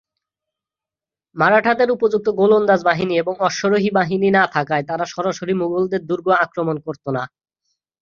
মারাঠাদের উপযুক্ত গোলন্দাজ বাহিনী এবং অশ্বারোহী সেনাবাহিনী না থাকায় তারা সরাসরি মুঘলদের দুর্গ আক্রমণ করত না।